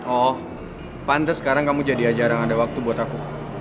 oh pantes sekarang kamu jadi ajaran ada waktu buat aku